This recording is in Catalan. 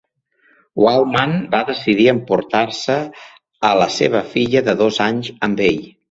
Waldman va decidir emportar-se a la seva filla de dos anys amb ell.